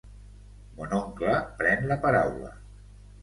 Mon oncle pren la paraula.